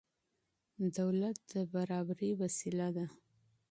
دولت د نظم وسيله ده.